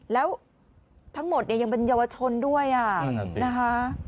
แล้วทั้งหมดเนี่ยยังเป็นเยาวชนด้วยนะคะ